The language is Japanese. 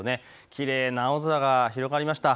きれいな青空が広がりました。